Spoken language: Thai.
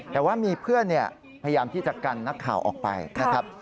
แต่ว่ามีเพื่อนพยายามที่จะกันนักข่าวออกไปนะครับ